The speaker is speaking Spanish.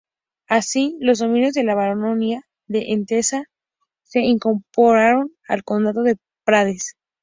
Así, los dominios de la baronía de Entenza se incorporaron al condado de Prades.